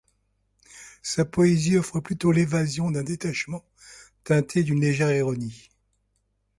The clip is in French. Sa poésie offre plutôt l'évasion d'un détachement teinté d'une légère ironie.